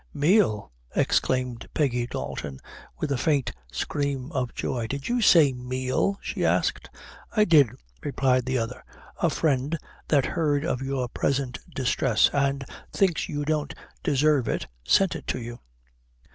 "Meal!" exclaimed Peggy Dalton, with a faint scream of joy; "did you say meal?" she asked. "I did," replied the other; "a friend that heard of your present distress, and thinks you don't desarve it, sent it to you."